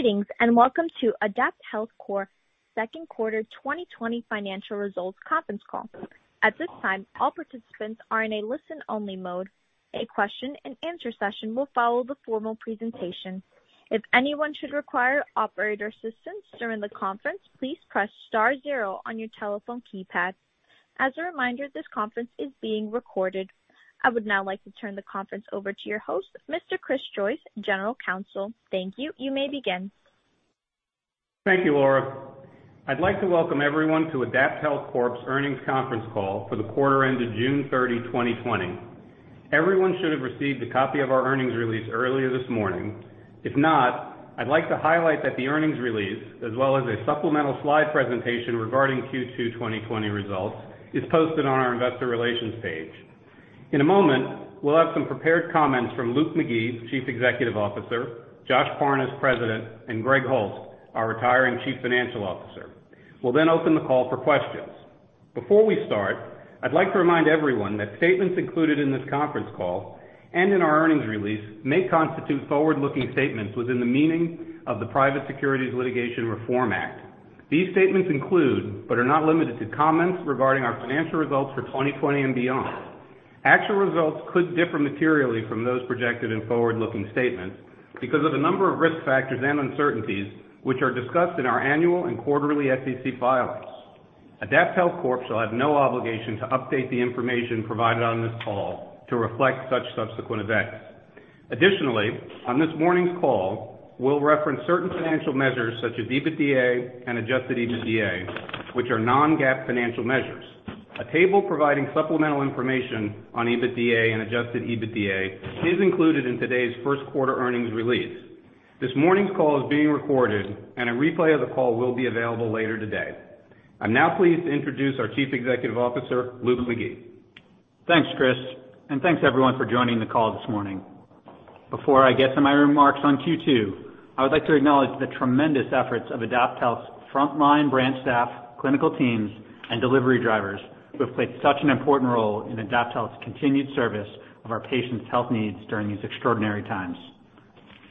Greetings, and welcome to AdaptHealth Corp.'s second quarter 2020 financial results conference call. At this time, all participants are in a listen-only mode. A question-and-answer session will follow the formal presentation. If anyone should require operator assistance during the conference, please press star zero on your telephone keypad. As a reminder, this conference is being recorded. I would now like to turn the conference over to your host, Mr. Chris Joyce, General Counsel. Thank you, you may begin. Thank you, Laura. I'd like to welcome everyone to AdaptHealth Corp.'s earnings conference call for the quarter ended June 30th, 2020. Everyone should have received a copy of our earnings release earlier this morning. If not, I'd like to highlight that the earnings release, as well as a supplemental slide presentation regarding Q2 2020 results, is posted on our investor relations page. In a moment, we'll have some prepared comments from Luke McGee, Chief Executive Officer, Josh Parnes, President, and Gregg Holst, our retiring Chief Financial Officer. We'll open the call for questions. Before we start, I'd like to remind everyone that statements included in this conference call and in our earnings release may constitute forward-looking statements within the meaning of the Private Securities Litigation Reform Act. These statements include, but are not limited to, comments regarding our financial results for 2020 and beyond. Actual results could differ materially from those projected in forward-looking statements because of a number of risk factors and uncertainties, which are discussed in our annual and quarterly SEC filings. AdaptHealth Corp. shall have no obligation to update the information provided on this call to reflect such subsequent events. On this morning's call, we'll reference certain financial measures such as EBITDA and adjusted EBITDA, which are non-GAAP financial measures. A table providing supplemental information on EBITDA and adjusted EBITDA is included in today's first quarter earnings release. This morning's call is being recorded, and a replay of the call will be available later today. I'm now pleased to introduce our Chief Executive Officer, Luke McGee. Thanks, Chris. Thanks everyone for joining the call this morning. Before I get to my remarks on Q2, I would like to acknowledge the tremendous efforts of AdaptHealth's frontline branch staff, clinical teams, and delivery drivers, who have played such an important role in AdaptHealth's continued service of our patients' health needs during these extraordinary times.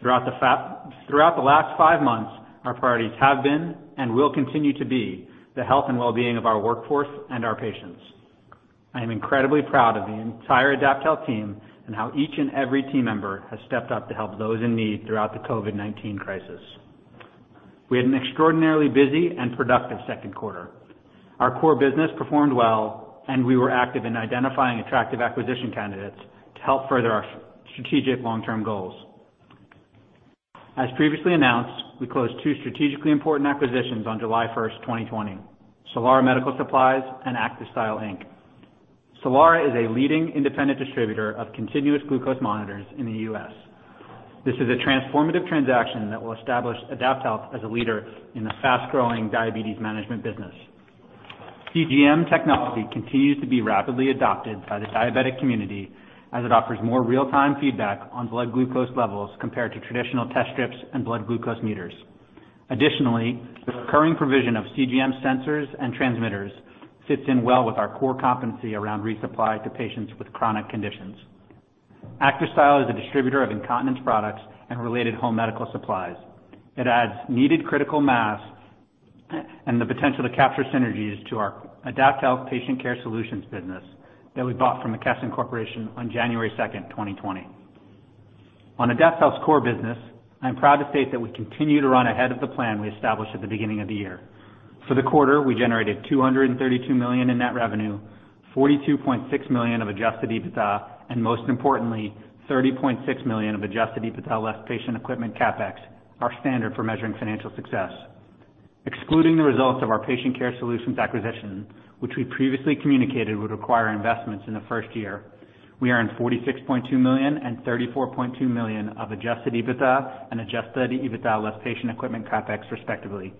Throughout the last five months, our priorities have been and will continue to be the health and wellbeing of our workforce and our patients. I am incredibly proud of the entire AdaptHealth team and how each and every team member has stepped up to help those in need throughout the COVID-19 crisis. We had an extraordinarily busy and productive second quarter. Our core business performed well, and we were active in identifying attractive acquisition candidates to help further our strategic long-term goals. As previously announced, we closed two strategically important acquisitions on July 1st, 2020: Solara Medical Supplies and ActivStyle, Inc. Solara is a leading independent distributor of continuous glucose monitors in the U.S. This is a transformative transaction that will establish AdaptHealth as a leader in the fast-growing diabetes management business. CGM technology continues to be rapidly adopted by the diabetic community as it offers more real-time feedback on blood glucose levels compared to traditional test strips and blood glucose meters. Additionally, the recurring provision of CGM sensors and transmitters fits in well with our core competency around resupply to patients with chronic conditions. ActivStyle is a distributor of incontinence products and related home medical supplies. It adds needed critical mass and the potential to capture synergies to our AdaptHealth Patient Care Solutions business that we bought from McKesson Corporation on January 2nd, 2020. On AdaptHealth's core business, I'm proud to state that we continue to run ahead of the plan we established at the beginning of the year. For the quarter, we generated $232 million in net revenue, $42.6 million of adjusted EBITDA, and most importantly, $30.6 million of adjusted EBITDA less patient equipment CapEx, our standard for measuring financial success. Excluding the results of our Patient Care Solutions acquisition, which we previously communicated would require investments in the first year, we earned $46.2 million and $34.2 million of adjusted EBITDA and adjusted EBITDA less patient equipment CapEx respectively,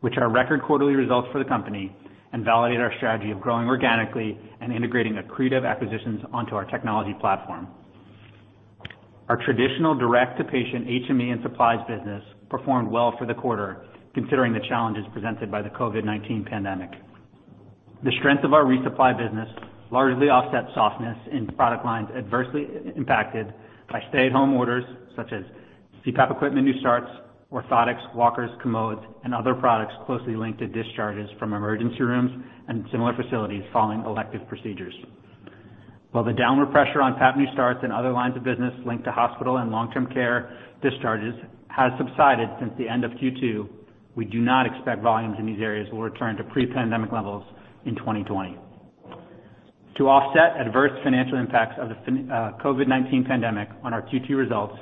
which are record quarterly results for the company and validate our strategy of growing organically and integrating accretive acquisitions onto our technology platform. Our traditional direct-to-patient HME and supplies business performed well for the quarter considering the challenges presented by the COVID-19 pandemic. The strength of our resupply business largely offset softness in product lines adversely impacted by stay-at-home orders such as CPAP equipment new starts, orthotics, walkers, commodes, and other products closely linked to discharges from emergency rooms and similar facilities following elective procedures. While the downward pressure on PAP new starts and other lines of business linked to hospital and long-term care discharges has subsided since the end of Q2, we do not expect volumes in these areas will return to pre-pandemic levels in 2020. To offset adverse financial impacts of the COVID-19 pandemic on our Q2 results,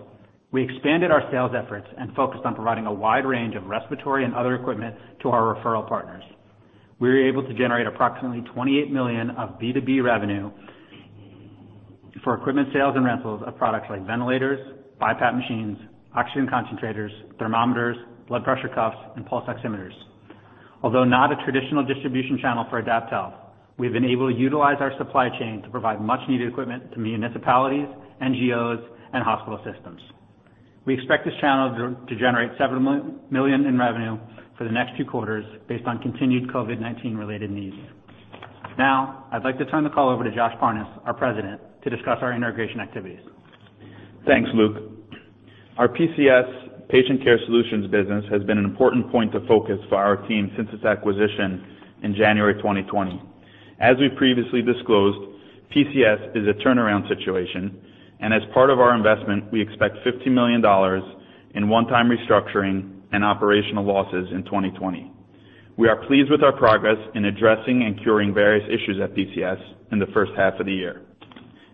we expanded our sales efforts and focused on providing a wide range of respiratory and other equipment to our referral partners. We were able to generate approximately $28 million of B2B revenue for equipment sales and rentals of products like ventilators, BiPAP machines, oxygen concentrators, thermometers, blood pressure cuffs, and pulse oximeters. Although not a traditional distribution channel for AdaptHealth, we've been able to utilize our supply chain to provide much-needed equipment to municipalities, NGOs, and hospital systems. We expect this channel to generate $7 million in revenue for the next two quarters based on continued COVID-19 related needs. Now, I'd like to turn the call over to Josh Parnes, our President, to discuss our integration activities. Thanks, Luke. Our PCS, Patient Care Solutions business has been an important point of focus for our team since its acquisition in January 2020. As we previously disclosed, PCS is a turnaround situation, and as part of our investment, we expect $50 million in one-time restructuring and operational losses in 2020. We are pleased with our progress in addressing and curing various issues at PCS in the first half of the year.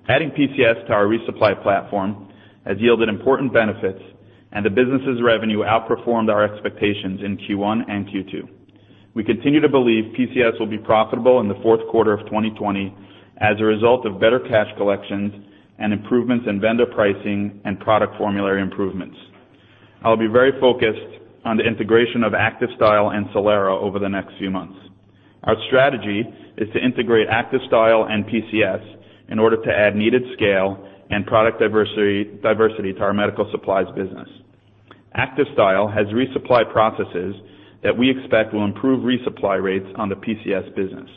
Adding PCS to our resupply platform has yielded important benefits, and the business's revenue outperformed our expectations in Q1 and Q2. We continue to believe PCS will be profitable in the fourth quarter of 2020 as a result of better cash collections and improvements in vendor pricing and product formulary improvements. I'll be very focused on the integration of ActivStyle and Solara over the next few months. Our strategy is to integrate ActivStyle and PCS in order to add needed scale and product diversity to our medical supplies business. ActivStyle has resupply processes that we expect will improve resupply rates on the PCS business.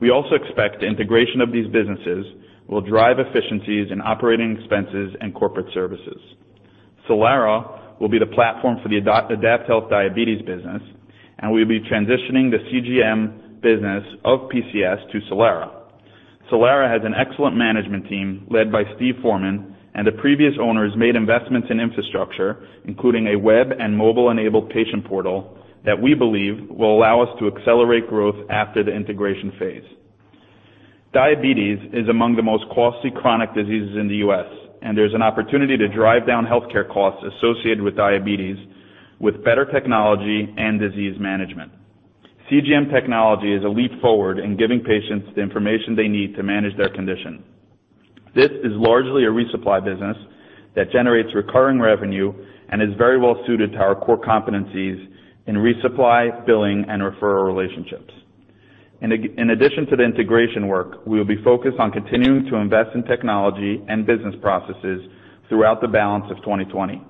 We also expect the integration of these businesses will drive efficiencies in operating expenses and corporate services. Solara will be the platform for the AdaptHealth diabetes business, and we'll be transitioning the CGM business of PCS to Solara. Solara has an excellent management team led by Steve Foreman, and the previous owners made investments in infrastructure, including a web and mobile-enabled patient portal that we believe will allow us to accelerate growth after the integration phase. Diabetes is among the most costly chronic diseases in the U.S., and there's an opportunity to drive down healthcare costs associated with diabetes with better technology and disease management. CGM technology is a leap forward in giving patients the information they need to manage their condition. This is largely a resupply business that generates recurring revenue and is very well-suited to our core competencies in resupply, billing, and referral relationships. In addition to the integration work, we will be focused on continuing to invest in technology and business processes throughout the balance of 2020.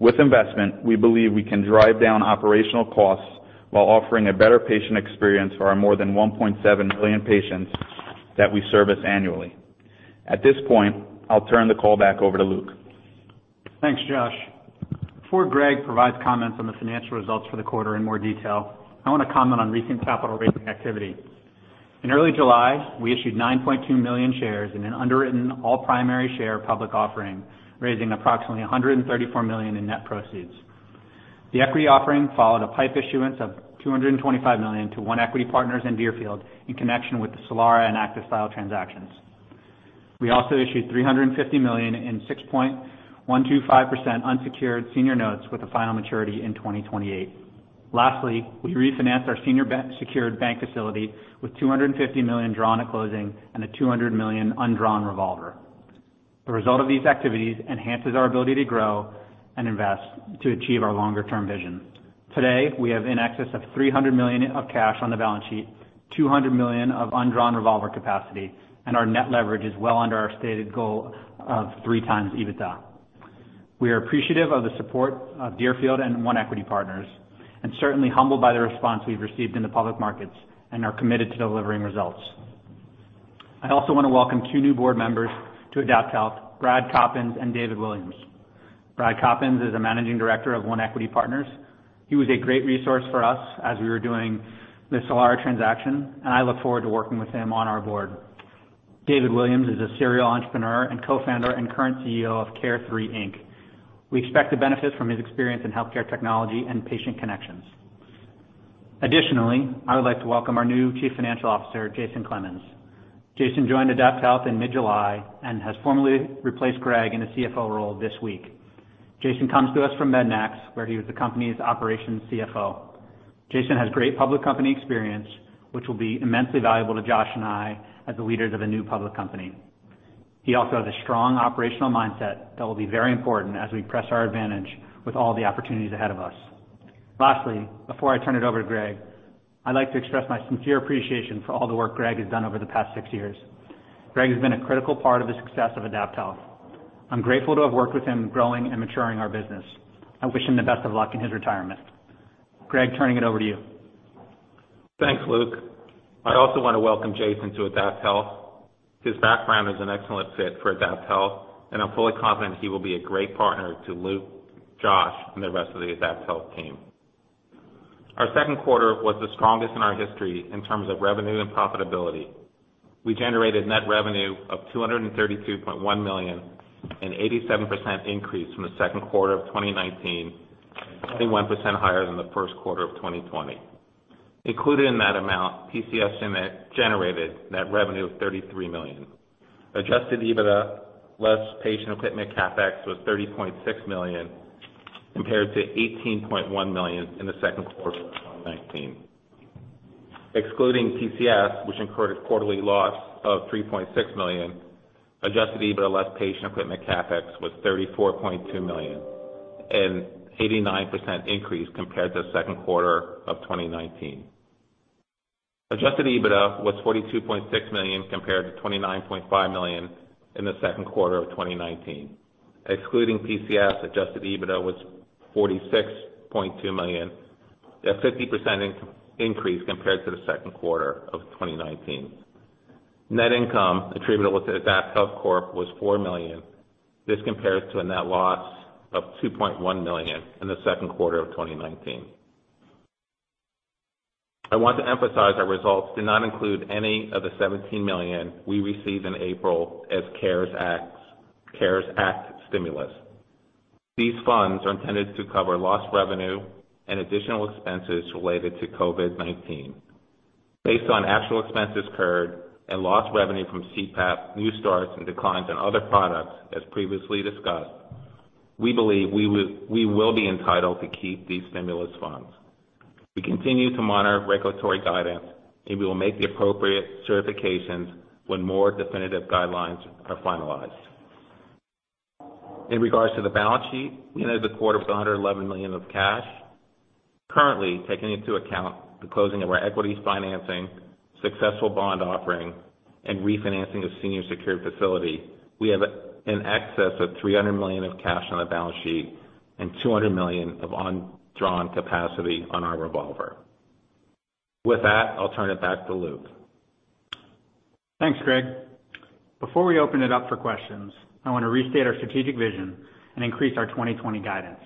With investment, we believe we can drive down operational costs while offering a better patient experience for our more than 1.7 million patients that we service annually. At this point, I'll turn the call back over to Luke. Thanks, Josh. Before Gregg provides comments on the financial results for the quarter in more detail, I want to comment on recent capital raising activity. In early July, we issued 9.2 million shares in an underwritten all primary share public offering, raising approximately $134 million in net proceeds. The equity offering followed a PIPE issuance of $225 million to One Equity Partners and Deerfield in connection with the Solara and ActivStyle transactions. We also issued $350 million in 6.125% unsecured senior notes with a final maturity in 2028. Lastly, we refinanced our senior secured bank facility with $250 million drawn at closing and a $200 million undrawn revolver. The result of these activities enhances our ability to grow and invest to achieve our longer-term vision. Today, we have in excess of $300 million of cash on the balance sheet, $200 million of undrawn revolver capacity, and our net leverage is well under our stated goal of 3x EBITDA. We are appreciative of the support of Deerfield and One Equity Partners, certainly humbled by the response we've received in the public markets and are committed to delivering results. I also want to welcome two new board members to AdaptHealth, Brad Coppens and David Williams. Brad Coppens is a Managing Director of One Equity Partners. He was a great resource for us as we were doing the Solara transaction, I look forward to working with him on our board. David Williams is a serial entrepreneur and co-founder and current CEO of Care3, Inc. We expect to benefit from his experience in healthcare technology and patient connections. Additionally, I would like to welcome our new Chief Financial Officer, Jason Clemens. Jason joined AdaptHealth in mid-July and has formally replaced Gregg in the CFO role this week. Jason comes to us from Mednax, where he was the company's operations CFO. Jason has great public company experience, which will be immensely valuable to Josh and I as the leaders of the new public company. He also has a strong operational mindset that will be very important as we press our advantage with all the opportunities ahead of us. Lastly, before I turn it over to Gregg, I'd like to express my sincere appreciation for all the work Gregg has done over the past six years. Gregg has been a critical part of the success of AdaptHealth. I'm grateful to have worked with him growing and maturing our business. I wish him the best of luck in his retirement. Gregg, turning it over to you. Thanks, Luke. I also want to welcome Jason to AdaptHealth. His background is an excellent fit for AdaptHealth, and I'm fully confident he will be a great partner to Luke, Josh, and the rest of the AdaptHealth team. Our second quarter was the strongest in our history in terms of revenue and profitability. We generated net revenue of $232.1 million, an 87% increase from the second quarter of 2019, and 21% higher than the first quarter of 2020. Included in that amount, PCS generated net revenue of $33 million. Adjusted EBITDA less patient equipment CapEx was $30.6 million compared to $18.1 million in the second quarter of 2019. Excluding PCS, which incurred a quarterly loss of $3.6 million, adjusted EBITDA less patient equipment CapEx was $34.2 million, an 89% increase compared to the second quarter of 2019. Adjusted EBITDA was $42.6 million compared to $29.5 million in the second quarter of 2019. Excluding PCS, adjusted EBITDA was $46.2 million, a 50% increase compared to the second quarter of 2019. Net income attributable to AdaptHealth Corp. was $4 million. This compares to a net loss of $2.1 million in the second quarter of 2019. I want to emphasize our results did not include any of the $17 million we received in April as CARES Act stimulus. These funds are intended to cover lost revenue and additional expenses related to COVID-19. Based on actual expenses incurred and lost revenue from CPAP new starts and declines in other products, as previously discussed, we believe we will be entitled to keep these stimulus funds. We continue to monitor regulatory guidance, and we will make the appropriate certifications when more definitive guidelines are finalized. In regards to the balance sheet, we ended the quarter with $111 million of cash. Currently, taking into account the closing of our equities financing, successful bond offering, and refinancing of senior secured facility, we have in excess of $300 million of cash on the balance sheet and $200 million of undrawn capacity on our revolver. With that, I'll turn it back to Luke. Thanks, Gregg. Before we open it up for questions, I want to restate our strategic vision and increase our 2020 guidance.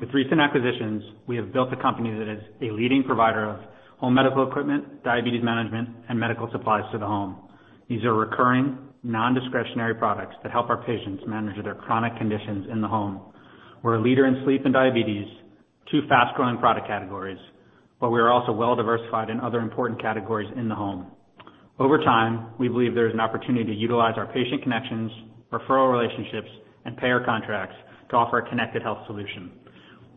With recent acquisitions, we have built a company that is a leading provider of home medical equipment, diabetes management, and medical supplies to the home. These are recurring, non-discretionary products that help our patients manage their chronic conditions in the home. We're a leader in sleep and diabetes, two fast-growing product categories. We are also well-diversified in other important categories in the home. Over time, we believe there is an opportunity to utilize our patient connections, referral relationships, and payer contracts to offer a connected health solution.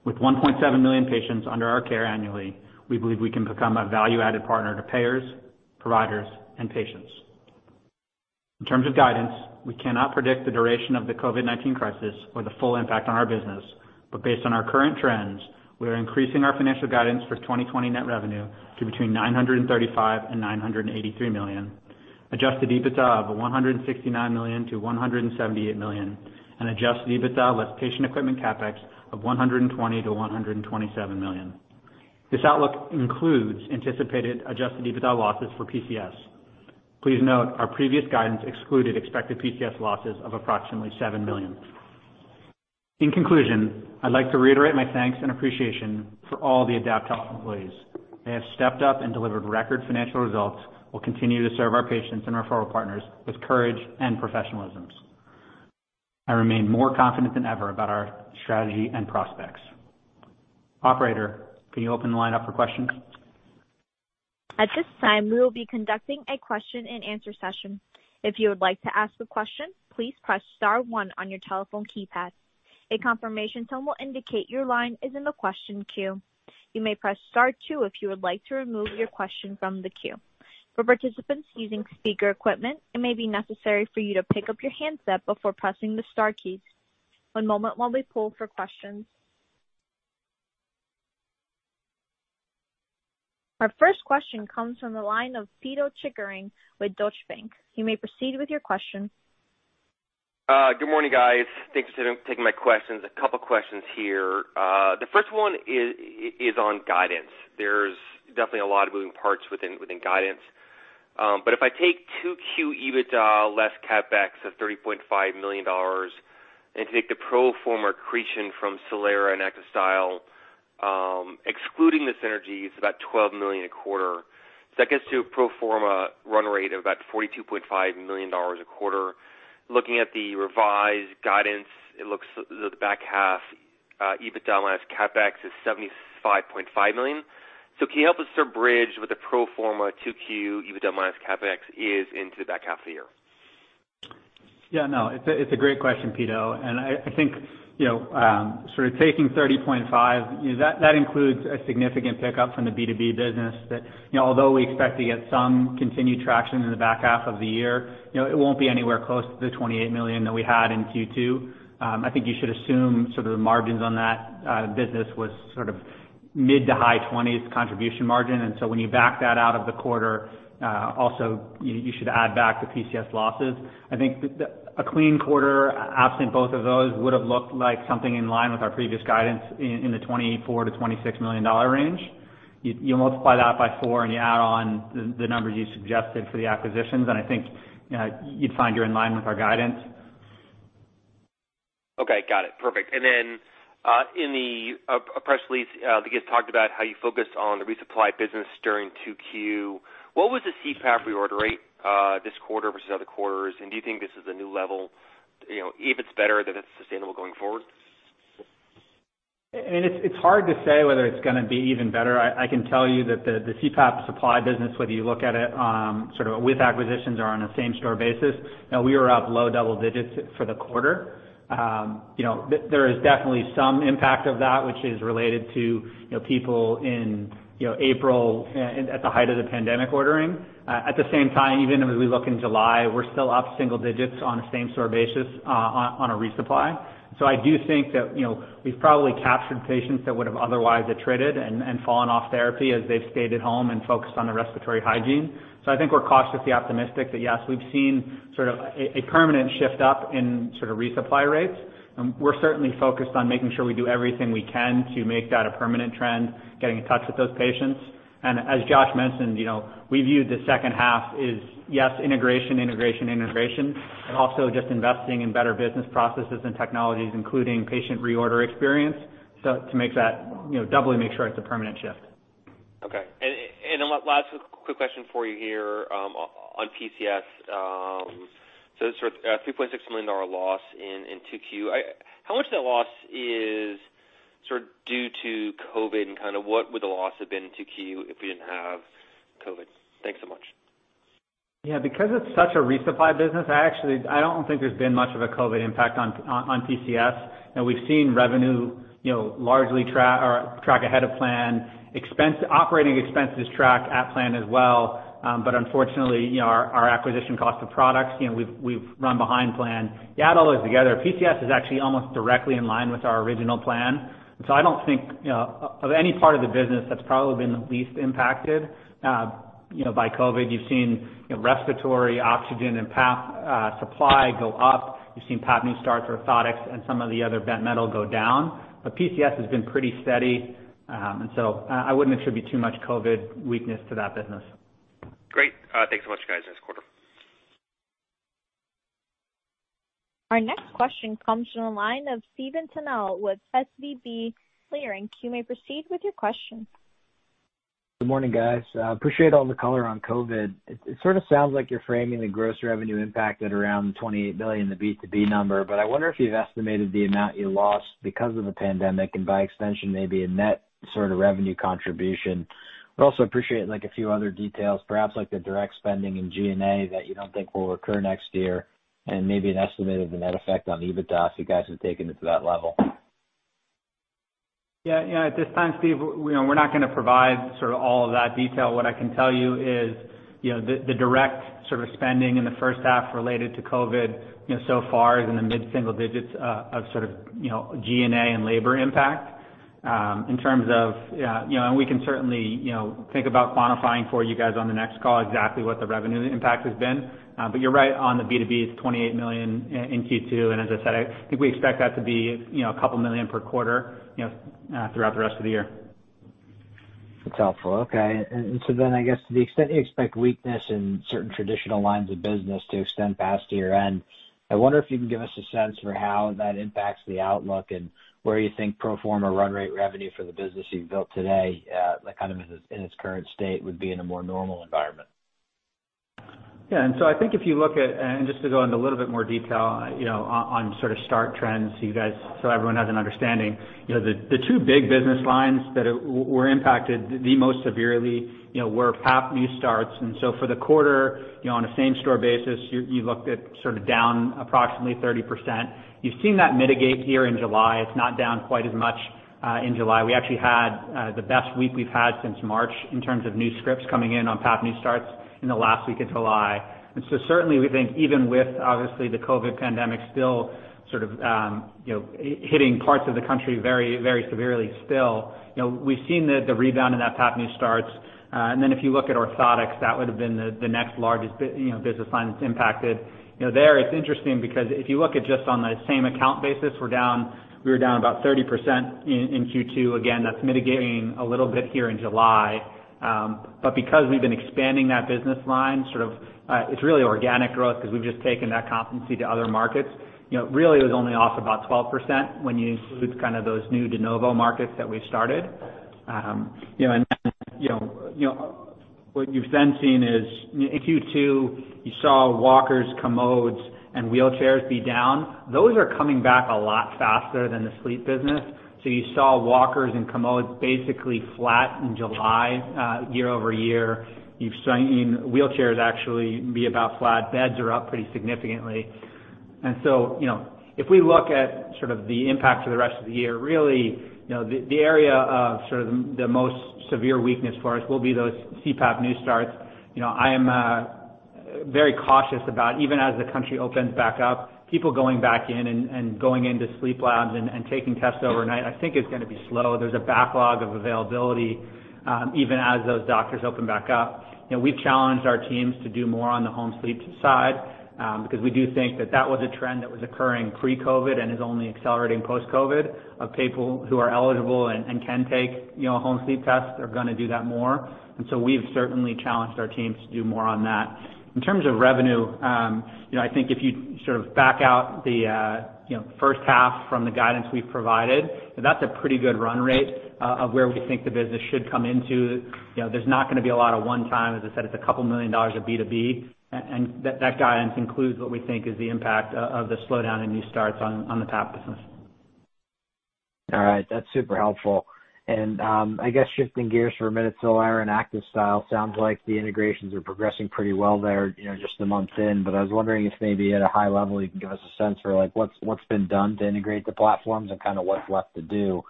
With 1.7 million patients under our care annually, we believe we can become a value-added partner to payers, providers, and patients. In terms of guidance, we cannot predict the duration of the COVID-19 crisis or the full impact on our business. Based on our current trends, we are increasing our financial guidance for 2020 net revenue to between $935 million and $983 million, adjusted EBITDA of $169 million-$178 million, and adjusted EBITDA less patient equipment CapEx of $120 million-$127 million. This outlook includes anticipated adjusted EBITDA losses for PCS. Please note our previous guidance excluded expected PCS losses of approximately $7 million. In conclusion, I'd like to reiterate my thanks and appreciation for all the AdaptHealth employees. They have stepped up and delivered record financial results while continuing to serve our patients and referral partners with courage and professionalism. I remain more confident than ever about our strategy and prospects. Operator, can you open the line up for questions? At this time, we will be conducting a question-and-answer session. If you would like to ask a question, please press star one on your telephone keypad. A confirmation tone will indicate your line is in the question queue. You may press star two if you would like to remove your question from the queue. For participants using speaker equipment, it may be necessary for you to pick up your handset before pressing the star key. One moment while we poll for questions. Our first question comes from the line of Pito Chickering with Deutsche Bank. You may proceed with your question. Good morning, guys, thanks for taking my questions. A couple questions here. The first one is on guidance. There's definitely a lot of moving parts within guidance. If I take 2Q EBITDA less CapEx of $30.5 million and take the pro forma accretion from Solara and ActivStyle, excluding the synergies, about $12 million a quarter, that gets to a pro forma run rate of about $42.5 million a quarter. Looking at the revised guidance, it looks the back half EBITDA less CapEx is $75.5 million. Can you help us sort of bridge what the pro forma 2Q EBITDA minus CapEx is into the back half of the year? Yeah, no, it's a great question, Pito. I think sort of taking $30.5 million, that includes a significant pickup from the B2B business that although we expect to get some continued traction in the back half of the year, it won't be anywhere close to the $28 million that we had in Q2. I think you should assume sort of the margins on that business was sort of mid to high 20s contribution margin. When you back that out of the quarter, also, you should add back the PCS losses. I think a clean quarter, absent both of those, would've looked like something in line with our previous guidance in the $24 million-$26 million range. You multiply that by four and you add on the numbers you suggested for the acquisitions, and I think you'd find you're in line with our guidance. Okay. Got it, perfect. In the press release, I think it was talked about how you focused on the resupply business during 2Q. What was the CPAP reorder rate this quarter versus other quarters, and do you think this is a new level, if it's better, that it's sustainable going forward? It's hard to say whether it's going to be even better. I can tell you that the CPAP supply business, whether you look at it sort of with acquisitions or on a same-store basis, we were up low double digits for the quarter. There is definitely some impact of that which is related to people in April at the height of the pandemic ordering. At the same time, even as we look in July, we're still up single digits on a same-store basis on a resupply. I do think that we've probably captured patients that would have otherwise attrited and fallen off therapy as they've stayed at home and focused on their respiratory hygiene. I think we're cautiously optimistic that yes, we've seen sort of a permanent shift up in sort of resupply rates, and we're certainly focused on making sure we do everything we can to make that a permanent trend, getting in touch with those patients. As Josh mentioned, we view the second half as yes, integration. Also just investing in better business processes and technologies, including patient reorder experience, to doubly make sure it's a permanent shift. Okay. Last quick question for you here on PCS. Sort of a $3.6 million loss in 2Q. How much of that loss is due to COVID, and what would the loss have been in 2Q if we didn't have COVID? Thanks so much. Yeah, because it's such a resupply business, I don't think there's been much of a COVID impact on PCS. We've seen revenue largely track ahead of plan. Operating expenses track at plan as well. Unfortunately, our acquisition cost of products, we've run behind plan. You add all those together, PCS is actually almost directly in line with our original plan. I don't think of any part of the business that's probably been the least impacted by COVID. You've seen respiratory oxygen and PAP supply go up. You've seen PAP new starts, orthotics, and some of the other bent metal go down. PCS has been pretty steady. I wouldn't attribute too much COVID weakness to that business. Great. Thanks so much, guys, nice quarter. Our next question comes from the line of Stephen Tanal with SVB Leerink. You may proceed with your question. Good morning, guys. Appreciate all the color on COVID. It sort of sounds like you're framing the gross revenue impact at around $28 million, the B2B number. I wonder if you've estimated the amount you lost because of the pandemic and by extension, maybe a net sort of revenue contribution? Would also appreciate like a few other details, perhaps like the direct spending in G&A that you don't think will recur next year, and maybe an estimate of the net effect on EBITDA, if you guys have taken it to that level. Yeah. At this time, Steve, we're not going to provide sort of all of that detail. What I can tell you is, the direct sort of spending in the first half related to COVID, so far is in the mid-single digits of sort of G&A and labor impact. We can certainly think about quantifying for you guys on the next call exactly what the revenue impact has been. You're right on the B2B, it's $28 million in Q2, and as I said, I think we expect that to be $2 million per quarter, throughout the rest of the year. That's helpful. Okay, I guess to the extent you expect weakness in certain traditional lines of business to extend past year-end, I wonder if you can give us a sense for how that impacts the outlook and where you think pro forma run rate revenue for the business you've built today, kind of in its current state, would be in a more normal environment? Yeah. I think if you look at, and just to go into a little bit more detail on sort of start trends, so everyone has an understanding. The two big business lines that were impacted the most severely, were PAP new starts. For the quarter, on a same-store basis, you looked at sort of down approximately 30%. You've seen that mitigate here in July. It's not down quite as much in July. We actually had the best week we've had since March in terms of new scripts coming in on PAP new starts in the last week of July. Certainly we think even with obviously the COVID pandemic still sort of hitting parts of the country very severely still. We've seen the rebound in that PAP new starts. If you look at orthotics, that would've been the next largest business line that's impacted. There, it's interesting because if you look at just on the same account basis, we were down about 30% in Q2. Again, that's mitigating a little bit here in July. Because we've been expanding that business line, it's really organic growth because we've just taken that competency to other markets. Really, it was only off about 12% when you include kind of those new de novo markets that we've started. What you've then seen is in Q2, you saw walkers, commodes, and wheelchairs be down. Those are coming back a lot faster than the sleep business. You saw walkers and commodes basically flat in July, year-over-year. You've seen wheelchairs actually be about flat. Beds are up pretty significantly. If we look at sort of the impact for the rest of the year, really, the area of sort of the most severe weakness for us will be those CPAP new starts. I am very cautious about even as the country opens back up, people going back in and going into sleep labs and taking tests overnight, I think is going to be slow. There's a backlog of availability, even as those doctors open back up. We've challenged our teams to do more on the home sleep side, because we do think that that was a trend that was occurring pre-COVID and is only accelerating post-COVID of people who are eligible and can take home sleep tests are going to do that more. We've certainly challenged our teams to do more on that. In terms of revenue, I think if you sort of back out the first half from the guidance we've provided, that's a pretty good run rate of where we think the business should come into. There's not going to be a lot of one time, as I said, it's a couple million dollars of B2B, and that guidance includes what we think is the impact of the slowdown in new starts on the PAP business. All right, that's super helpful. I guess shifting gears for a minute to the Solara and ActivStyle, sounds like the integrations are progressing pretty well there, just a month in, but I was wondering if maybe at a high level, you can give us a sense for like what's been done to integrate the platforms and kind of what's left to do,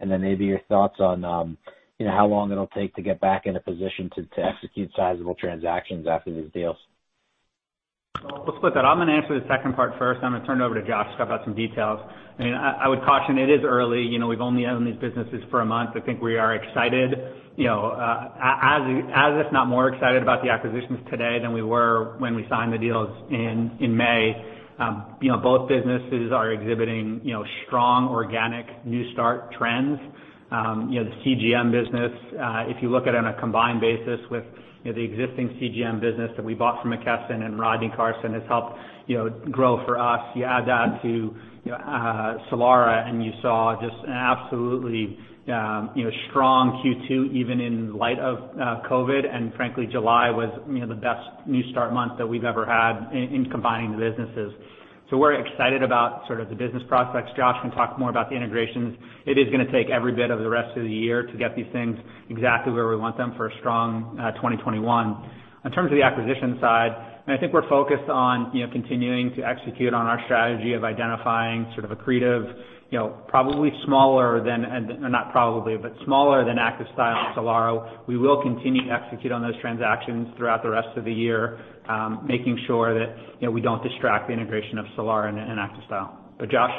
and then maybe your thoughts on how long it'll take to get back in a position to execute sizable transactions after these deals. Well, we'll split that. I'm going to answer the second part first, then I'm going to turn it over to Josh to talk about some details. I would caution, it is early. We've only owned these businesses for a month. I think we are excited, as if not more excited about the acquisitions today than we were when we signed the deals in May. Both businesses are exhibiting strong organic new start trends. The CGM business, if you look at it on a combined basis with the existing CGM business that we bought from McKesson and Rodney Carson has helped grow for us. You add that to Solara, and you saw just an absolutely strong Q2 even in light of COVID, and frankly, July was the best new start month that we've ever had in combining the businesses. We're excited about the business prospects. Josh can talk more about the integrations. It is going to take every bit of the rest of the year to get these things exactly where we want them for a strong 2021. In terms of the acquisition side, I think we're focused on continuing to execute on our strategy of identifying accretive, probably smaller than, or not probably, but smaller than ActivStyle and Solara. We will continue to execute on those transactions throughout the rest of the year, making sure that we don't distract the integration of Solara and ActivStyle. Josh?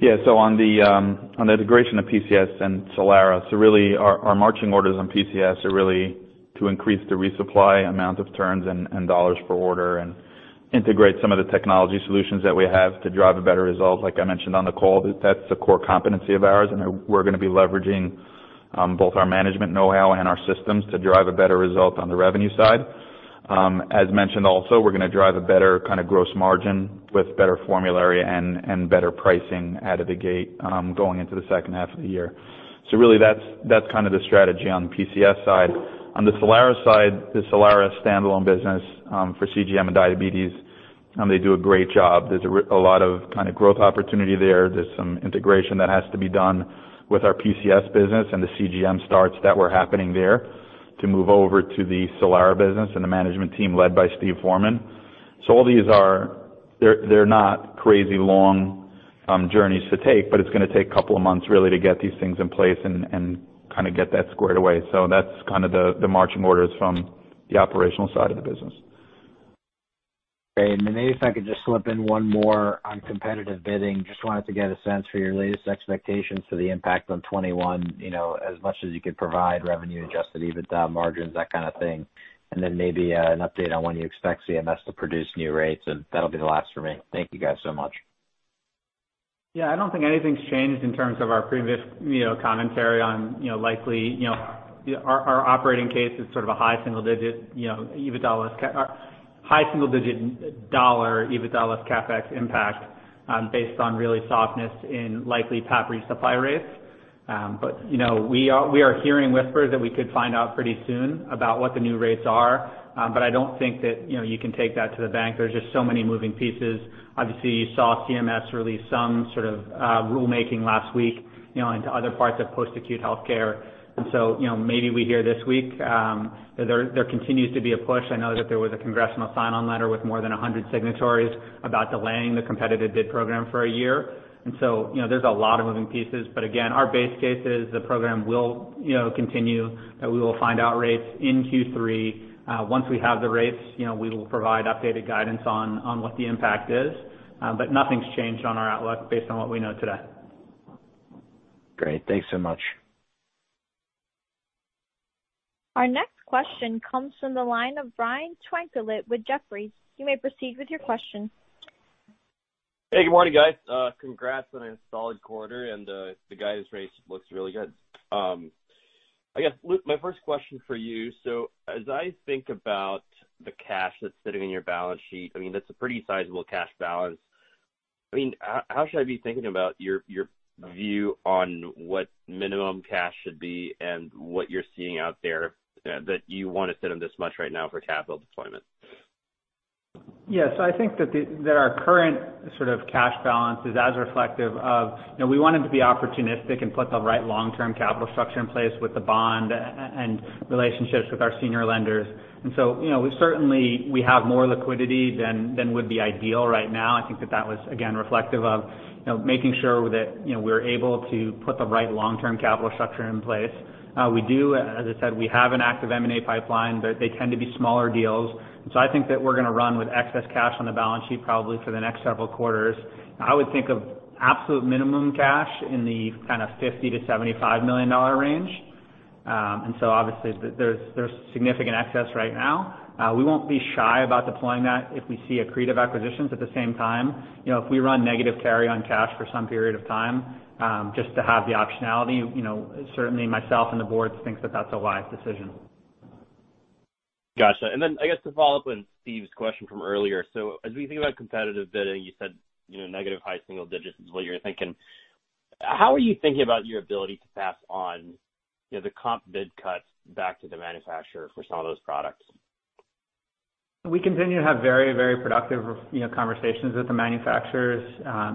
Yeah. On the integration of PCS and Solara, so really our marching orders on PCS are really to increase the resupply amount of turns and dollars per order and integrate some of the technology solutions that we have to drive a better result. Like I mentioned on the call, that's a core competency of ours, and we're going to be leveraging both our management knowhow and our systems to drive a better result on the revenue side. As mentioned also, we're going to drive a better gross margin with better formulary and better pricing out of the gate, going into the second half of the year. Really that's the strategy on the PCS side. On the Solara side, the Solara standalone business, for CGM and diabetes, they do a great job. There's a lot of growth opportunity there. There's some integration that has to be done with our PCS business and the CGM starts that were happening there to move over to the Solara business and the management team led by Steve Foreman. They're not crazy long journeys to take, but it's going to take a couple of months really to get these things in place and get that squared away. That's the marching orders from the operational side of the business. Great. Maybe if I could just slip in one more on competitive bidding. Just wanted to get a sense for your latest expectations for the impact on 2021, as much as you could provide revenue adjusted EBITDA margins, that kind of thing. Maybe an update on when you expect CMS to produce new rates, and that'll be the last for me. Thank you guys so much. Yeah, I don't think anything's changed in terms of our previous commentary on likely our operating case is sort of a high single-digit dollar EBITDA less CapEx impact, based on really softness in likely PAP resupply rates. We are hearing whispers that we could find out pretty soon about what the new rates are. I don't think that you can take that to the bank. There are just so many moving pieces. Obviously, you saw CMS release some sort of rulemaking last week into other parts of post-acute healthcare. Maybe we hear this week. There continues to be a push. I know that there was a congressional sign-on letter with more than 100 signatories about delaying the competitive bid program for a year. There's a lot of moving pieces. Again, our base case is the program will continue, that we will find out rates in Q3. Once we have the rates, we will provide updated guidance on what the impact is. Nothing's changed on our outlook based on what we know today. Great, thanks so much. Our next question comes from the line of Brian Tanquilut with Jefferies. You may proceed with your question. Hey, good morning, guys. Congrats on a solid quarter, and the guidance raise looks really good. I guess, Luke, my first question for you, so as I think about the cash that's sitting in your balance sheet, that's a pretty sizable cash balance. How should I be thinking about your view on what minimum cash should be and what you're seeing out there that you want to sit on this much right now for capital deployment? I think that our current sort of cash balance is as reflective of, we wanted to be opportunistic and put the right long-term capital structure in place with the bond and relationships with our senior lenders. Certainly we have more liquidity than would be ideal right now. I think that that was, again, reflective of making sure that we're able to put the right long-term capital structure in place. We do, as I said, we have an active M&A pipeline, but they tend to be smaller deals. I think that we're going to run with excess cash on the balance sheet probably for the next several quarters. I would think of absolute minimum cash in the $50 million-$75 million range. Obviously, there's significant excess right now. We won't be shy about deploying that if we see accretive acquisitions at the same time. If we run negative carry on cash for some period of time, just to have the optionality, certainly myself and the board thinks that that's a wise decision. Got you. Then I guess to follow up on Steve's question from earlier, so as we think about competitive bidding, you said negative high single digits is what you're thinking. How are you thinking about your ability to pass on the comp bid cuts back to the manufacturer for some of those products? We continue to have very productive conversations with the manufacturers.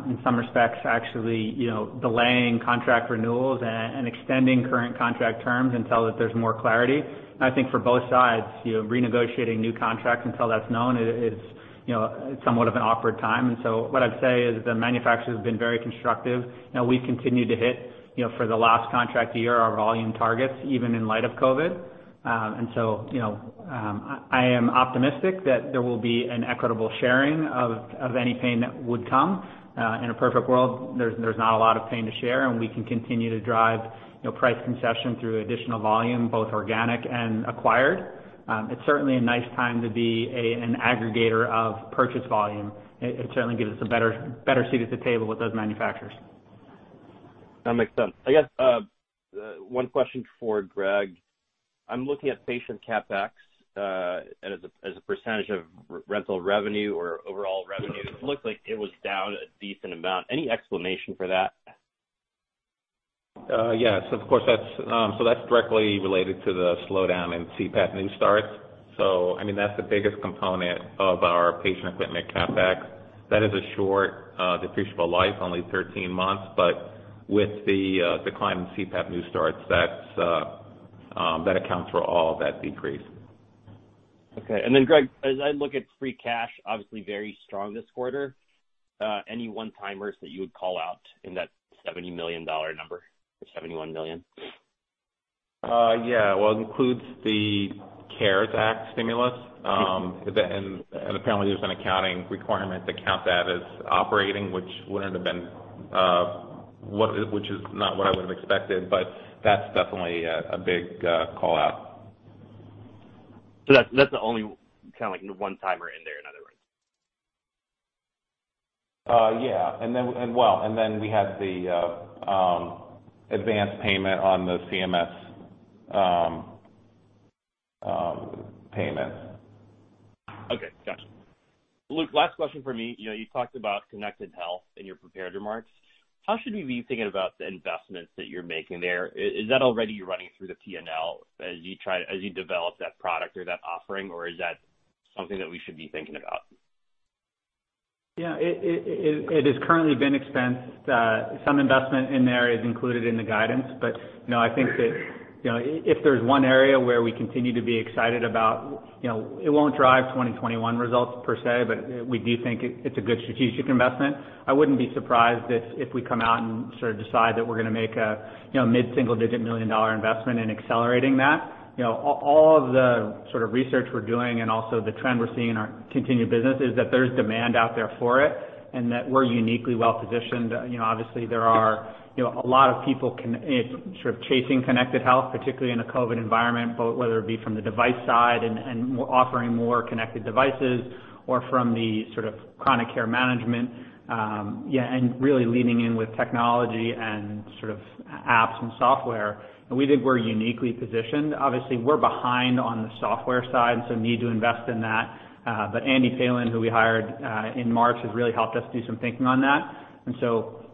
In some respects, actually delaying contract renewals and extending current contract terms until there's more clarity. I think for both sides, renegotiating new contracts until that's known, it's somewhat of an awkward time. What I'd say is the manufacturer's been very constructive. We've continued to hit, for the last contract year, our volume targets, even in light of COVID. I am optimistic that there will be an equitable sharing of any pain that would come. In a perfect world, there's not a lot of pain to share, and we can continue to drive price concession through additional volume, both organic and acquired. It's certainly a nice time to be an aggregator of purchase volume. It certainly gives us a better seat at the table with those manufacturers. That makes sense. I guess one question for Gregg. I'm looking at patient CapEx as a percentage of rental revenue or overall revenue. It looks like it was down a decent amount. Any explanation for that? Yes, of course. That's directly related to the slowdown in CPAP new starts. That's the biggest component of our patient equipment CapEx. That is a short depreciable life, only 13 months. With the decline in CPAP new starts, that accounts for all of that decrease. Okay. Gregg, as I look at free cash, obviously very strong this quarter. Any one-timers that you would call out in that $70 million number, or $71 million? Yeah. Well, it includes the CARES Act stimulus. Apparently, there's an accounting requirement to count that as operating, which is not what I would've expected. That's definitely a big call-out. That's the only kind of one-timer in there, in other words? Yeah. Then we had the advanced payment on the CMS payment. Got you. Luke, last question from me. You talked about connected health in your prepared remarks. How should we be thinking about the investments that you're making there? Is that already running through the P&L as you develop that product or that offering, or is that something that we should be thinking about? Yeah. It has currently been expensed. Some investment in there is included in the guidance. I think that, if there's one area where we continue to be excited about, it won't drive 2021 results per se, but we do think it's a good strategic investment. I wouldn't be surprised if we come out and sort of decide that we're going to make a mid-single-digit million dollar investment in accelerating that. All of the sort of research we're doing and also the trend we're seeing in our continued business is that there's demand out there for it, and that we're uniquely well positioned. Obviously, there are a lot of people sort of chasing connected health, particularly in a COVID environment, whether it be from the device side and offering more connected devices or from the sort of chronic care management, and really leaning in with technology and sort of apps and software. We think we're uniquely positioned. Obviously, we're behind on the software side, so need to invest in that. Andy Phelan, who we hired in March, has really helped us do some thinking on that.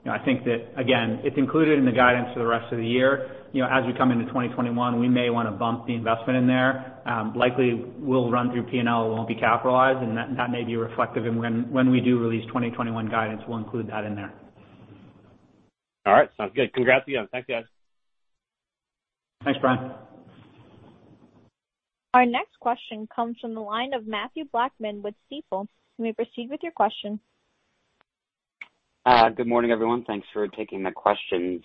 I think that, again, it's included in the guidance for the rest of the year. As we come into 2021, we may want to bump the investment in there. Likely will run through P&L. It won't be capitalized, and that may be reflective in when we do release 2021 guidance. We'll include that in there. All right. Sounds good. Congrats again. Thanks, guys. Thanks, Brian. Our next question comes from the line of Mathew Blackman with Stifel. You may proceed with your question. Good morning, everyone. Thanks for taking the questions.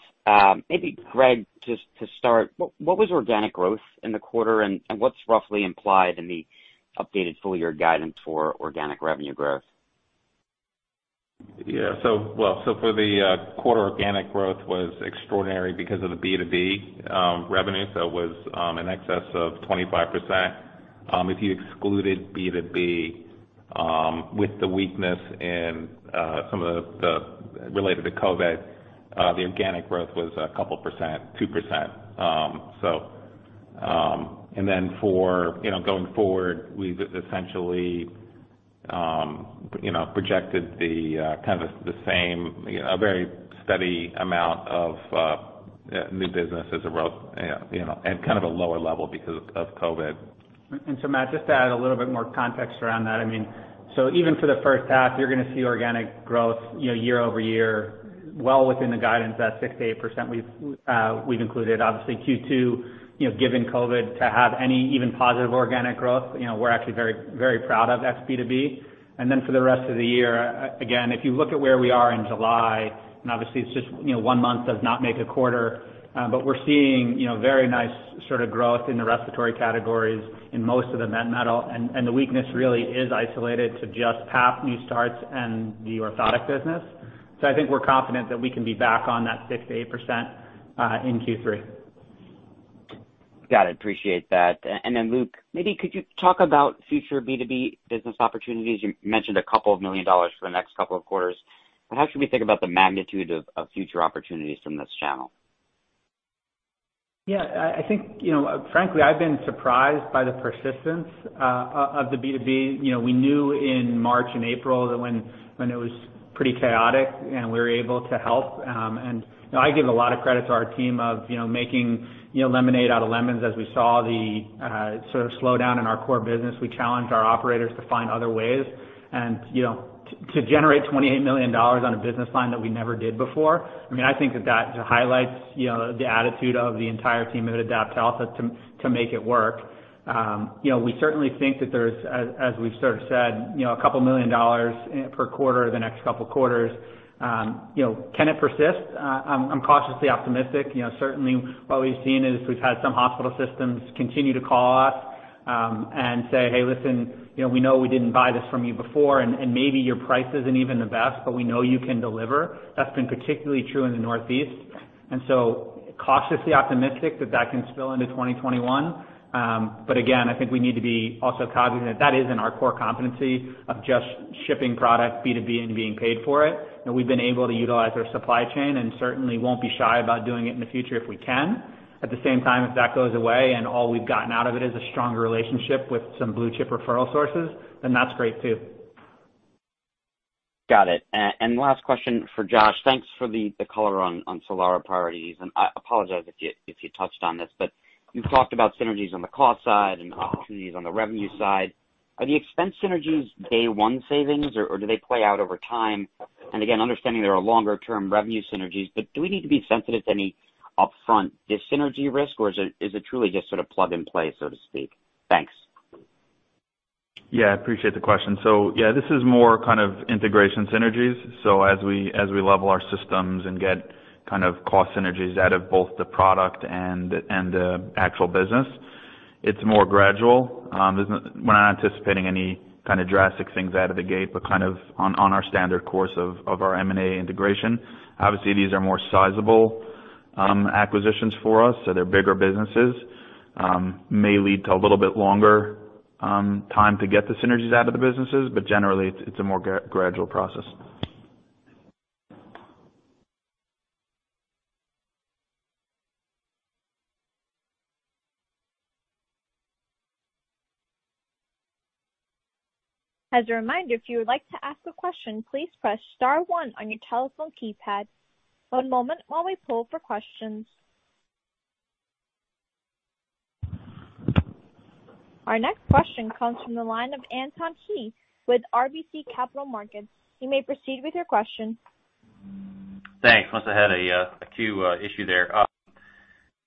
Gregg, just to start, what was organic growth in the quarter, and what's roughly implied in the updated full-year guidance for organic revenue growth? Yeah. For the quarter, organic growth was extraordinary because of the B2B revenue, so it was in excess of 25%. If you excluded B2B, with the weakness related to COVID, the organic growth was a couple percent, 2%. Going forward, we've essentially projected kind of the same, a very steady amount of new business and kind of a lower level because of COVID. Matt, just to add a little bit more context around that. Even for the first half, you're going to see organic growth year-over-year well within the guidance at 6%-8% we've included. Obviously Q2, given COVID, to have any even positive organic growth, we're actually very proud of that's B2B. For the rest of the year, again, if you look at where we are in July, obviously it's just one month, does not make a quarter. We're seeing very nice sort of growth in the respiratory categories in most of the medical, and the weakness really is isolated to just PAP new starts and the orthotic business. I think we're confident that we can be back on that 6%-8% in Q3. Got it, appreciate that. Luke, maybe could you talk about future B2B business opportunities? You mentioned a couple of million dollars for the next couple of quarters. How should we think about the magnitude of future opportunities from this channel? Yeah, frankly, I've been surprised by the persistence of the B2B. We knew in March and April when it was pretty chaotic, and we were able to help. I give a lot of credit to our team of making lemonade out of lemons as we saw the sort of slowdown in our core business. We challenged our operators to find other ways, and to generate $28 million on a business line that we never did before, I think that highlights the attitude of the entire team at AdaptHealth to make it work. We certainly think that there's, as we've sort of said, a couple million dollars per quarter the next couple quarters. Can it persist? I'm cautiously optimistic. Certainly, what we've seen is we've had some hospital systems continue to call us and say, "Hey, listen. We know we didn't buy this from you before, and maybe your price isn't even the best, but we know you can deliver." That's been particularly true in the Northeast, cautiously optimistic that that can spill into 2021. Again, I think we need to be also cognizant that isn't our core competency of just shipping product B2B and being paid for it. We've been able to utilize our supply chain and certainly won't be shy about doing it in the future if we can. At the same time, if that goes away and all we've gotten out of it is a stronger relationship with some blue-chip referral sources, then that's great, too. Got it. Last question for Josh. Thanks for the color on Solara priorities, and I apologize if you touched on this, but you've talked about synergies on the cost side and opportunities on the revenue side. Are the expense synergies day one savings, or do they play out over time? Again, understanding there are longer-term revenue synergies, but do we need to be sensitive to any upfront dyssynergy risk, or is it truly just sort of plug and play, so to speak? Thanks. Appreciate the question. This is more kind of integration synergies. As we level our systems and get kind of cost synergies out of both the product and the actual business, it's more gradual. We're not anticipating any kind of drastic things out of the gate, but kind of on our standard course of our M&A integration. These are more sizable acquisitions for us, so they're bigger businesses. May lead to a little bit longer time to get the synergies out of the businesses, but generally, it's a more gradual process. As a reminder, if you would like to ask a question, please press star one on your telephone keypad. One moment while we poll for questions. Our next question comes from the line of Anton Hie with RBC Capital Markets. You may proceed with your question. Thanks. Must've had a queue issue there.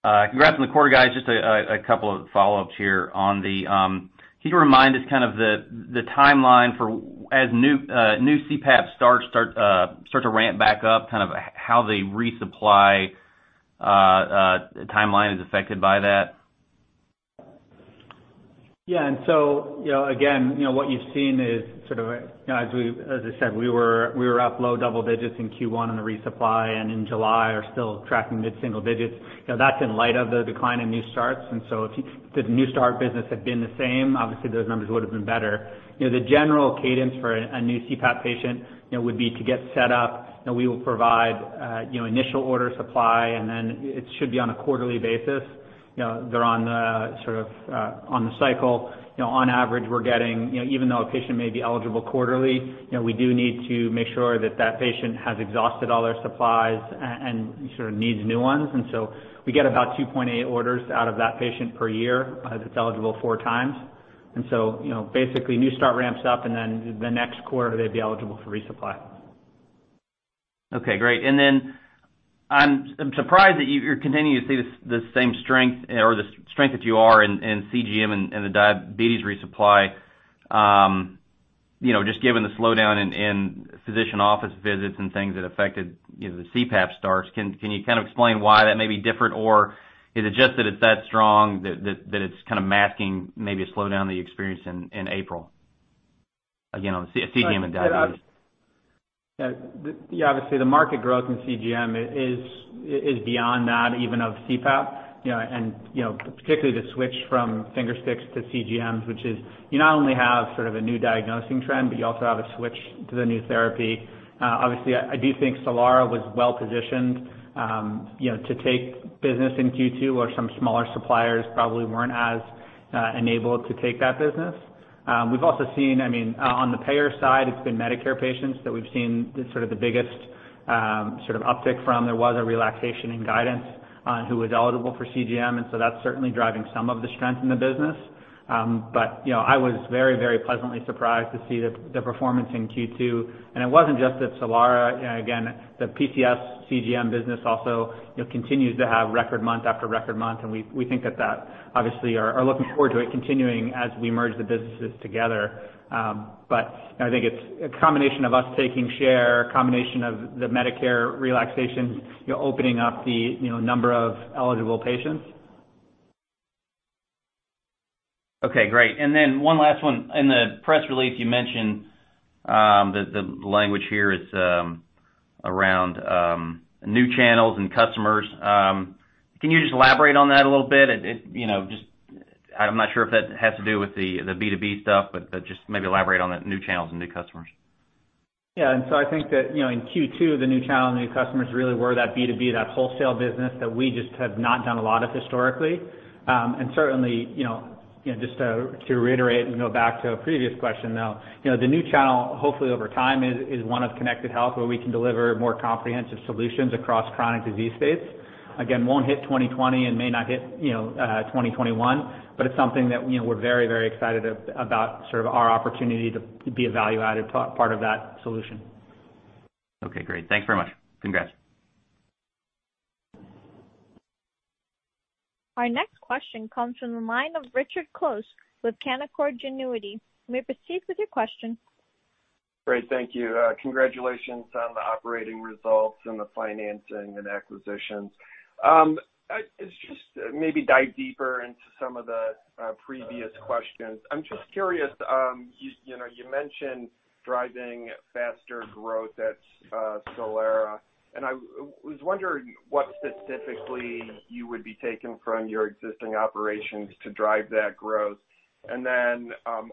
Congrats on the quarter, guys. Just a couple of follow-ups here. Can you remind us kind of the timeline for as new CPAP starts to ramp back up, kind of how the resupply timeline is affected by that? Yeah. Again, what you've seen is sort of as I said, we were up low double digits in Q1 on the resupply, and in July are still tracking mid-single digits. That's in light of the decline in new starts. If the new start business had been the same, obviously those numbers would've been better. The general cadence for a new CPAP patient would be to get set up. We will provide initial order supply, and then it should be on a quarterly basis. They're on the sort of on the cycle. On average, even though a patient may be eligible quarterly, we do need to make sure that that patient has exhausted all their supplies and sort of needs new ones. We get about 2.8 orders out of that patient per year, as it's eligible four times. Basically, new start ramps up, and then the next quarter, they'd be eligible for resupply. Okay, great. Then I'm surprised that you're continuing to see the strength that you are in CGM and the diabetes resupply, just given the slowdown in physician office visits and things that affected the CPAP starts. Can you kind of explain why that may be different? Or is it just that it's that strong that it's kind of masking maybe a slowdown that you experienced in April, again, on CGM and diabetes? Obviously, the market growth in CGM is beyond that even of CPAP, and particularly the switch from finger sticks to CGMs, which is, you not only have sort of a new diagnosing trend, but you also have a switch to the new therapy. Obviously, I do think Solara was well-positioned to take business in Q2 where some smaller suppliers probably weren't as enabled to take that business. We've also seen, on the payer side, it's been Medicare patients that we've seen sort of the biggest sort of uptick from. There was a relaxation in guidance on who was eligible for CGM. That's certainly driving some of the strength in the business. I was very pleasantly surprised to see the performance in Q2. It wasn't just at Solara. Again, the PCS CGM business also continues to have record month after record month, and we think that obviously are looking forward to it continuing as we merge the businesses together. I think it's a combination of us taking share, a combination of the Medicare relaxation opening up the number of eligible patients. Okay, great. Then one last one. In the press release, you mentioned the language here is around new channels and customers. Can you just elaborate on that a little bit? I'm not sure if that has to do with the B2B stuff, but just maybe elaborate on the new channels and new customers. Yeah. I think that in Q2, the new channel, the new customers really were that B2B, that wholesale business that we just have not done a lot of historically. Certainly, just to reiterate and go back to a previous question now, the new channel, hopefully over time, is one of connected health where we can deliver more comprehensive solutions across chronic disease states. Won't hit 2020 and may not hit 2021, but it's something that we're very excited about, our opportunity to be a value-added part of that solution. Okay, great. Thanks very much. Congrats. Our next question comes from the line of Richard Close with Canaccord Genuity. You may proceed with your question. Great, thank you. Congratulations on the operating results and the financing and acquisitions. It's just, maybe dive deeper into some of the previous questions. I'm just curious, you mentioned driving faster growth at Solara, and I was wondering what specifically you would be taking from your existing operations to drive that growth.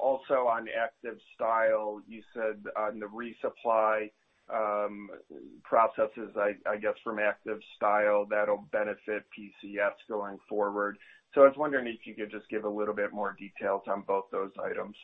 Also on ActivStyle, you said on the resupply processes, I guess, from ActivStyle, that'll benefit PCS going forward. I was wondering if you could just give a little bit more details on both those items.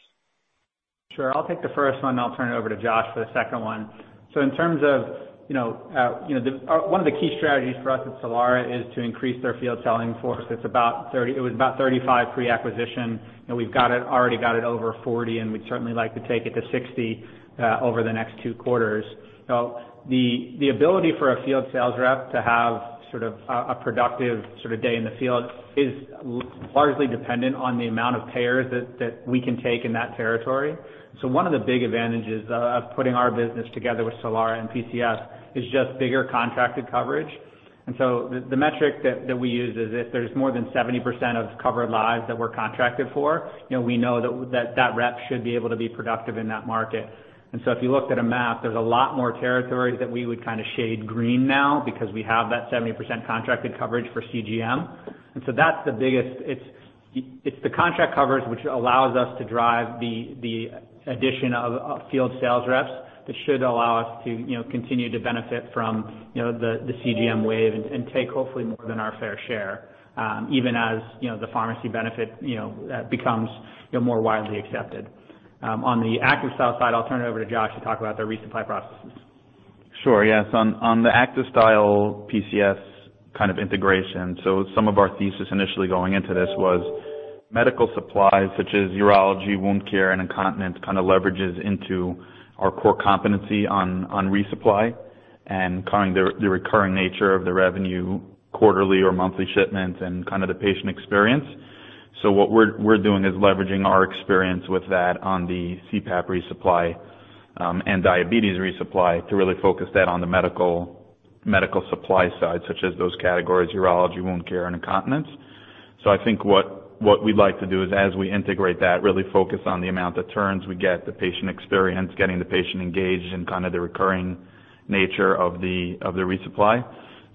Sure. I'll take the first one, then I'll turn it over to Josh for the second one. In terms of, one of the key strategies for us at Solara is to increase their field selling force. It was about 35 pre-acquisition, and we've already got it over 40, and we'd certainly like to take it to 60 over the next two quarters. The ability for a field sales rep to have a productive day in the field is largely dependent on the amount of payers that we can take in that territory. One of the big advantages of putting our business together with Solara and PCS is just bigger contracted coverage. The metric that we use is if there's more than 70% of covered lives that we're contracted for, we know that that rep should be able to be productive in that market. If you looked at a map, there's a lot more territories that we would shade green now because we have that 70% contracted coverage for CGM. That's the biggest, it's the contract coverage which allows us to drive the addition of field sales reps that should allow us to continue to benefit from the CGM wave and take hopefully more than our fair share, even as the pharmacy benefit becomes more widely accepted. On the ActivStyle side, I'll turn it over to Josh to talk about the resupply processes. Sure. Yes, on the ActivStyle PCS integration, some of our thesis initially going into this was medical supplies such as urology, wound care, and incontinence leverages into our core competency on resupply and the recurring nature of the revenue, quarterly or monthly shipments, and the patient experience. What we're doing is leveraging our experience with that on the CPAP resupply and diabetes resupply to really focus that on the medical supply side, such as those categories, urology, wound care, and incontinence. I think what we'd like to do is, as we integrate that, really focus on the amount of turns we get, the patient experience, getting the patient engaged in the recurring nature of the resupply.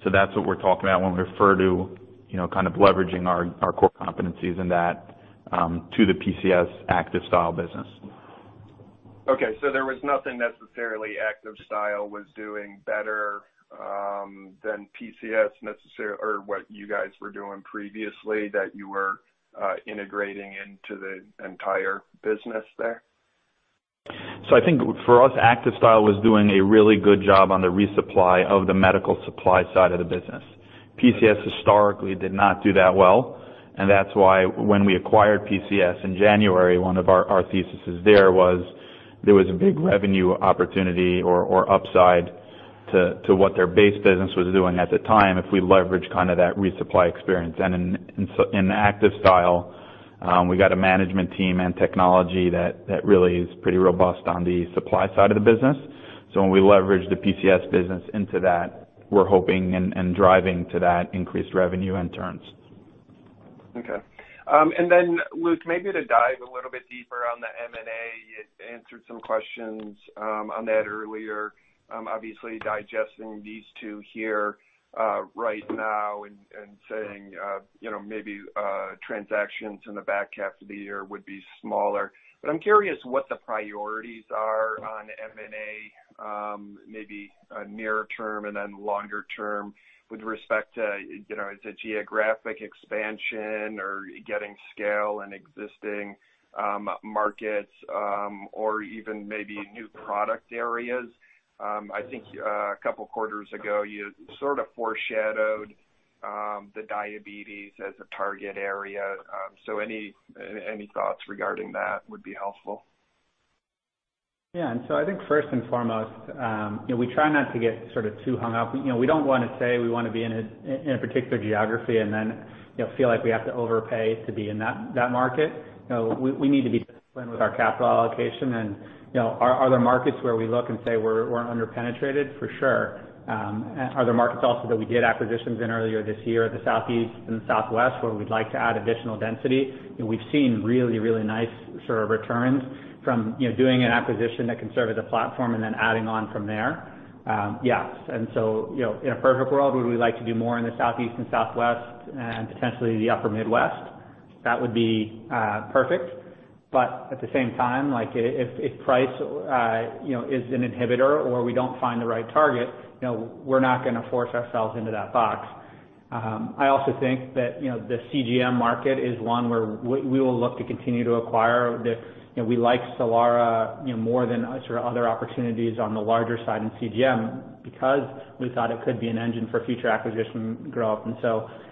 That's what we're talking about when we refer to leveraging our core competencies in that to the PCS ActivStyle business. There was nothing necessarily ActivStyle was doing better than PCS necessarily, or what you guys were doing previously that you were integrating into the entire business there? I think for us, ActivStyle was doing a really good job on the resupply of the medical supply side of the business. PCS historically did not do that well, and that's why when we acquired PCS in January, one of our theses there was there was a big revenue opportunity or upside to what their base business was doing at the time if we leverage that resupply experience. In ActivStyle, we got a management team and technology that really is pretty robust on the supply side of the business. When we leverage the PCS business into that, we're hoping and driving to that increased revenue and turns. Okay. Then Luke, maybe to dive a little bit deeper on the M&A, you answered some questions on that earlier. Obviously digesting these two here right now and saying maybe transactions in the back half of the year would be smaller. I'm curious what the priorities are on M&A, maybe nearer term and then longer term with respect to, is it geographic expansion or getting scale in existing markets, or even maybe new product areas? I think a couple of quarters ago, you foreshadowed the diabetes as a target area. Any thoughts regarding that would be helpful. Yeah. I think first and foremost, we try not to get too hung up. We don't want to say we want to be in a particular geography and then feel like we have to overpay to be in that market. We need to be disciplined with our capital allocation and are there markets where we look and say we're under-penetrated? For sure. Are there markets also that we did acquisitions in earlier this year at the Southeast and Southwest where we'd like to add additional density? We've seen really nice sort of returns from doing an acquisition that can serve as a platform and then adding on from there. Yes, in a perfect world, we would like to do more in the Southeast and Southwest and potentially the upper Midwest. That would be perfect. At the same time, if price is an inhibitor or we don't find the right target, we're not going to force ourselves into that box. I also think that the CGM market is one where we will look to continue to acquire. We like Solara more than other opportunities on the larger side in CGM because we thought it could be an engine for future acquisition growth.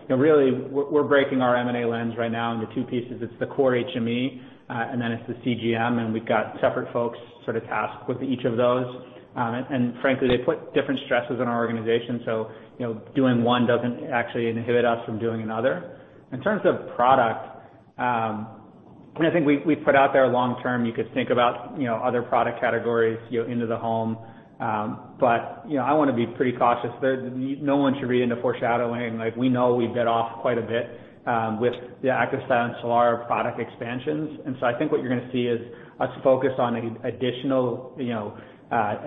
Really, we're breaking our M&A lens right now into two pieces. It's the core HME, and then it's the CGM, and we've got separate folks sort of tasked with each of those. Frankly, they put different stresses on our organization, so doing one doesn't actually inhibit us from doing another. In terms of product, and I think we've put out there long term, you could think about other product categories into the home. I want to be pretty cautious there. No one should read into foreshadowing. We know we bit off quite a bit with the ActivStyle and Solara product expansions. I think what you're going to see is us focus on additional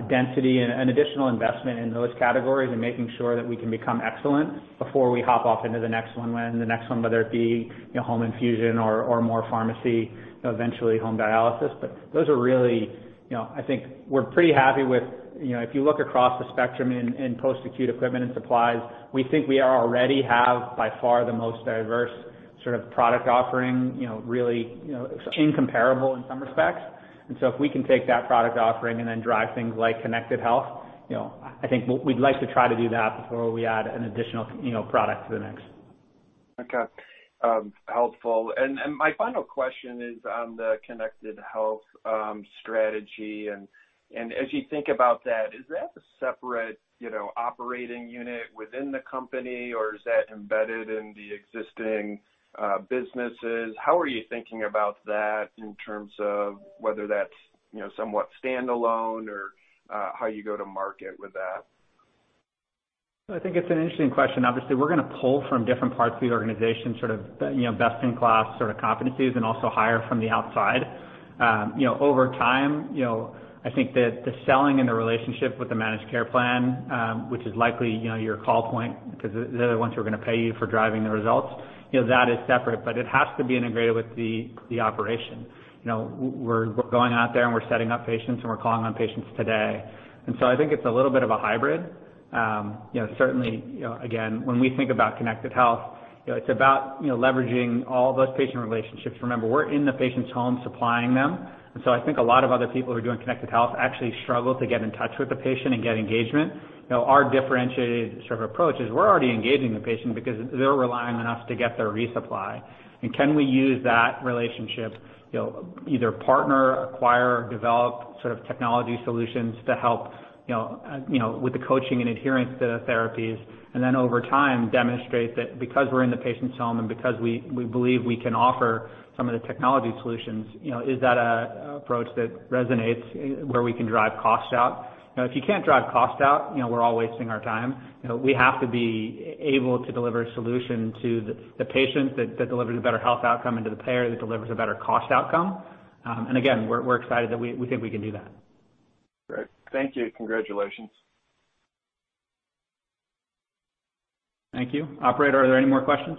density and additional investment in those categories and making sure that we can become excellent before we hop off into the next one. The next one, whether it be home infusion or more pharmacy, eventually home dialysis. Those are really, I think we're pretty happy with, if you look across the spectrum in post-acute equipment and supplies, we think we already have, by far, the most diverse sort of product offering, really incomparable in some respects. If we can take that product offering and then drive things like connected health, I think we'd like to try to do that before we add an additional product to the mix. Okay, helpful. My final question is on the connected health strategy. As you think about that, is that a separate operating unit within the company, or is that embedded in the existing businesses? How are you thinking about that in terms of whether that's somewhat standalone or how you go to market with that? I think it's an interesting question. Obviously, we're going to pull from different parts of the organization sort of best in class sort of competencies, and also hire from the outside. Over time, I think that the selling and the relationship with the managed care plan, which is likely your call point because they're the ones who are going to pay you for driving the results, that is separate, but it has to be integrated with the operation. We're going out there and we're setting up patients and we're calling on patients today. I think it's a little bit of a hybrid. Certainly, again, when we think about connected health, it's about leveraging all those patient relationships. Remember, we're in the patient's home supplying them. I think a lot of other people who are doing connected health actually struggle to get in touch with the patient and get engagement. Our differentiated sort of approach is we're already engaging the patient because they're relying on us to get their resupply. Can we use that relationship, either partner, acquire, develop sort of technology solutions to help with the coaching and adherence to the therapies. Over time, demonstrate that because we're in the patient's home and because we believe we can offer some of the technology solutions, is that an approach that resonates where we can drive cost out? If you can't drive cost out, we're all wasting our time. We have to be able to deliver a solution to the patient that delivers a better health outcome and to the payer that delivers a better cost outcome. Again, we're excited that we think we can do that. Great, thank you. Congratulations. Thank you. Operator, are there any more questions?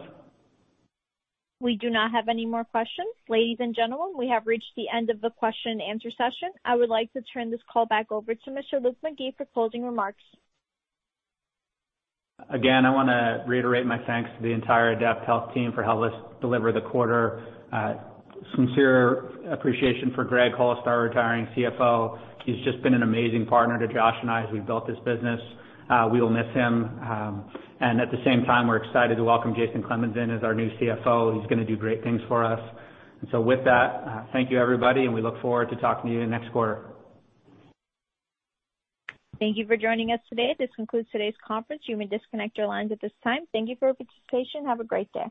We do not have any more questions. Ladies and gentlemen, we have reached the end of the question-and-answer session. I would like to turn this call back over to Mr. Luke McGee for closing remarks. Again, I want to reiterate my thanks to the entire AdaptHealth team for helping us deliver the quarter. Sincere appreciation for Gregg Holst, our retiring CFO. He's just been an amazing partner to Josh and I as we built this business. We will miss him. At the same time, we're excited to welcome Jason Clemens in as our new CFO. He's going to do great things for us. With that, thank you everybody, and we look forward to talking to you next quarter. Thank you for joining us today. This concludes today's conference. You may disconnect your lines at this time. Thank you for your participation, and have a great day.